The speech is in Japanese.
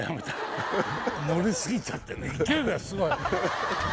乗りすぎちゃってね。